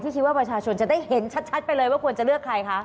คิดว่าประชาชนจะได้เห็นชัดไปเลยว่าควรจะเลือกใครคะ